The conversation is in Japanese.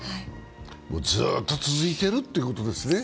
ずっと続いているということですね。